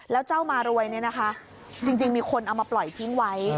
แล้วเจ้ามารวยเนี่ยนะคะจริงมีคนเอามาปล่อยทิ้งไว้